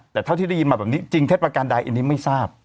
แต่เท่าที่ได้ยินมาแบบนี้จริงเท็จประการใดอันนี้ไม่ทราบ